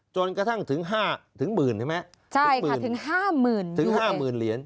จนกระทั่งถึง๕ถึงหมื่นใช่ไหมถึง๕หมื่นเหรียญ